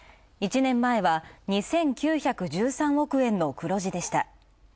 １年前は２９１３億円の黒字でした。